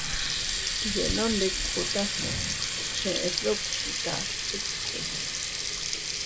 Yenondikutas chet dukchita ikku.